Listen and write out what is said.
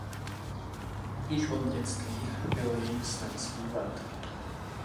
Již od dětství bylo jejím snem zpívat.